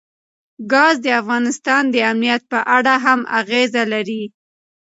ګاز د افغانستان د امنیت په اړه هم اغېز لري.